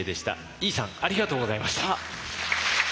井伊さんありがとうございました。